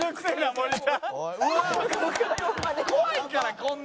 森田。